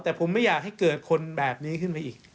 แต่ผมไม่อยากให้เกิดคนแบบนี้ขึ้นไปอีก